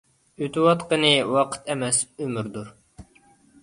ئۆتۈۋاتقىنى ۋاقىت ئەمەس، ئۆمۈردۇر.